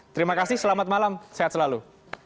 terima kasih selamat malam sehat selalu